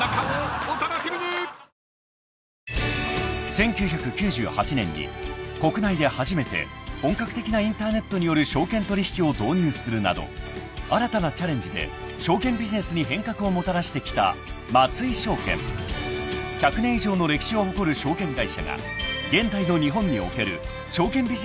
［１９９８年に国内で初めて本格的なインターネットによる証券取引を導入するなど新たなチャレンジで証券ビジネスに変革をもたらしてきた松井証券］［１００年以上の歴史を誇る証券会社が］